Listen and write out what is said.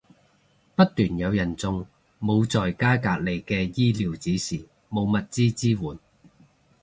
不斷有人中，冇在家隔離嘅醫療指示，冇物資支援